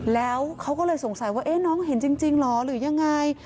แล้วเขาก็เลยสงสัยว่าน้องเห็นจริงเหรอหรือยังไง